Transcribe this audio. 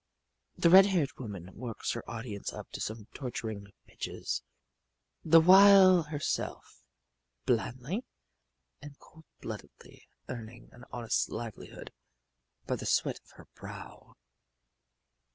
The red haired woman works her audience up to some torturing pitches the while herself blandly and cold bloodedly earning an honest livelihood by the sweat of her brow.